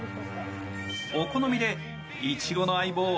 お好みで、いちごの相棒